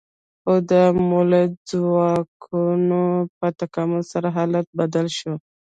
خو د مؤلده ځواکونو په تکامل سره حالت بدل شو.